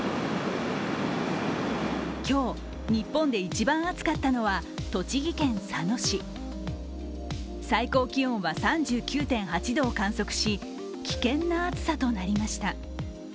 今日、日本で一番暑かったのは栃木県佐野市最高気温は３９．８度を観測し、危険な暑さとなりました。